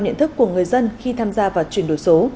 nhận thức của người dân khi tham gia vào chuyển đổi số